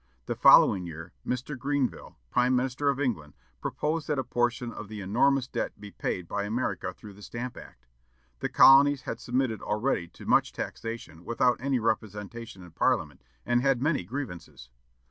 The following year, Mr. Grenville, Prime Minister of England, proposed that a portion of the enormous debt be paid by America through the Stamp Act. The colonies had submitted already to much taxation without any representation in Parliament, and had many grievances.